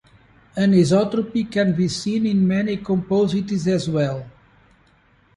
Anisotropy can be seen in many composites as well.